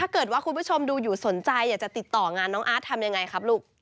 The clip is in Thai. คุณผู้ชมดูอยู่สนใจอยากจะติดต่องานน้องอาร์ตทำยังไงครับลูก